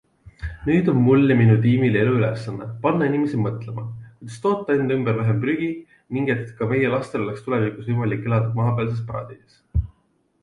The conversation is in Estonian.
Nüüd on mul ja minu tiimil elu ülesanne, panna inimesi mõtlema, kuidas toota enda ümber vähem prügi ning et ka meie lastel oleks tulevikus võimalik elada maapealses paradiisis.